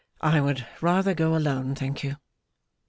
'I would rather go alone, thank you.